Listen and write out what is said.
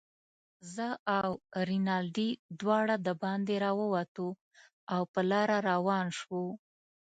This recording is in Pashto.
زه او رینالډي دواړه دباندې راووتو، او په لاره روان شوو.